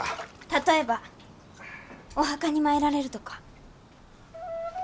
例えばお墓に参られるとか？